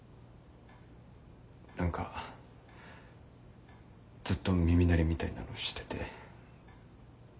何かずっと耳鳴りみたいなのしてて。